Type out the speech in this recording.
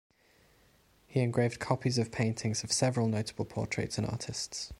He engraved copies of paintings of several notable portraits and artists.